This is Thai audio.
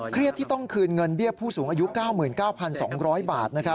เครียดที่ต้องคืนเงินเบี้ยผู้สูงอายุ๙๙๒๐๐บาท